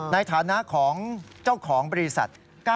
ในฐานะของเจ้าของบริษัท๙๙